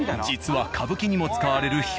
実は歌舞伎にも使われる